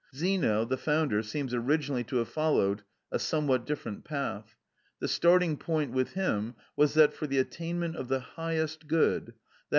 Zeno, the founder, seems originally to have followed a somewhat different path. The starting point with him was that for the attainment of the highest good, _i.